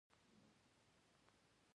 او د عوامو دغه ډول نظریاتو ته